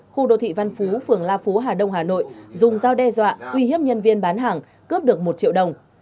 khu đô thị văn phú phường la phú hà đông hà nội dùng dao đe dọa uy hiếp nhân viên bán hàng cướp được một triệu đồng